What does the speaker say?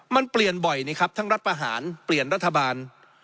มันเปลี่ยนบ่อยนะครับทั้งรัฐประหารเปลี่ยนรัฐบาล